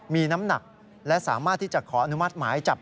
มีน้ำหนักและสามารถที่จะขออนุมัติหมายจับ